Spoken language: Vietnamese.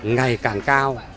ngày càng cao